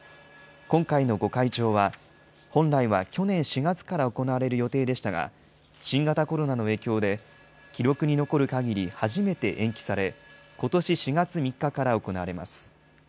今回の御開帳は、本来は去年４月から行われる予定でしたが、新型コロナの影響で、記録に残るかぎり初めて延期され、ことし４月３日から行われます。